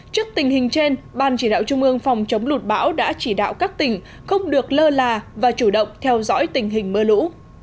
trước tình hình trên ban chỉ đạo trung ương phòng chống lụt bão đã chỉ đạo các tỉnh không được lơ là và chủ động theo dõi tình hình mưa lũ